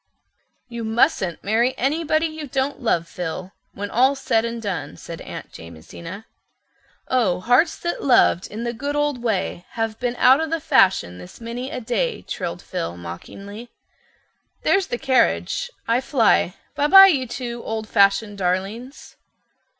"You mustn't marry anybody you don't love, Phil, when all's said and done," said Aunt Jamesina. "'Oh, hearts that loved in the good old way Have been out o' the fashion this many a day.'" trilled Phil mockingly. "There's the carriage. I fly—Bi bi, you two old fashioned darlings."